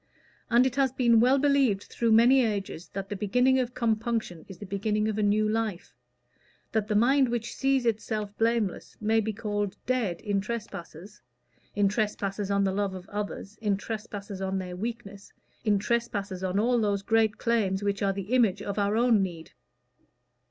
And it has been well believed through many ages that the beginning of compunction is the beginning of a new life; that the mind which sees itself blameless may be called dead in trespasses in trespasses on the love of others, in trespasses on their weakness, in trespasses on all those great claims which are the image of our own need.